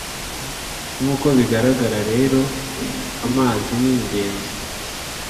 Nk’uko bigaragara rero, amazi ni ngenzi